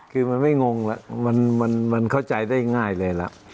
คือมันไม่งงแล้วมันเข้าใจได้ง่ายเลยล่ะ